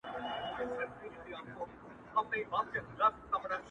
زړونه نسته په سینو کي د شاهانو!.